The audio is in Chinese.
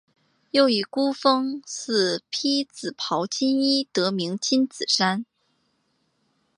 又以孤峰似披紫袍金衣得名紫金山。